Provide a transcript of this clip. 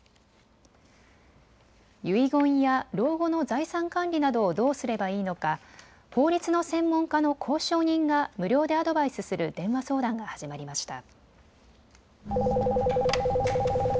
遺言や老後の財産管理などをどうすればいいのか法律の専門家の公証人が無料でアドバイスする電話相談が始まりました。